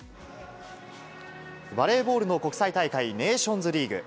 バレーボールの国際大会、ネーションズリーグ。